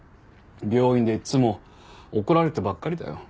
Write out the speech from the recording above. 病院でいっつも怒られてばっかりだよ。